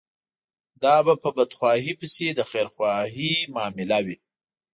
دا به په بدخواهي پسې د خيرخواهي معامله وي.